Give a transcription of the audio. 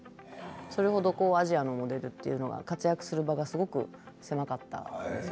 それ程アジアのモデルが活躍する場がすごく狭かったんです。